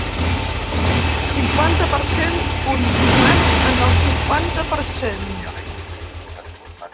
Cinquanta per cent Continuem en el cinquanta per cent.